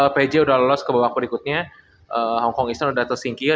pg udah lolos ke babak berikutnya hong kong eastern udah tersingkir